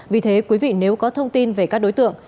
vì thế quý vị nếu có thông tin về các đối tượng